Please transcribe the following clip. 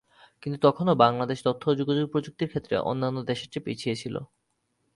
কিন্তু তখনও বাংলাদেশ তথ্য ও যোগাযোগ প্রযুক্তি ক্ষেত্রে অন্যান্য দেশের চেয়ে পিছিয়ে ছিল।